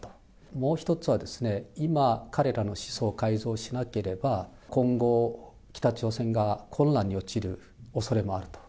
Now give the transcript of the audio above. もう１つはですね、今、彼らの思想を改造しなければ、今後、北朝鮮が混乱に陥るおそれもあると。